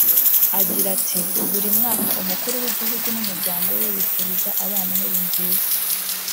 Agira ati“Buri mwaka umukuru w’igihugu n’umuryango we bifuriza abana Noheli nziza